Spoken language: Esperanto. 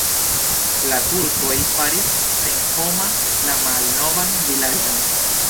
La turkoj faris senhoma la malnovan vilaĝon.